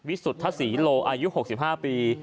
วิสุทธิ์ทัศน์ศรีโลอายุ๖๕ปี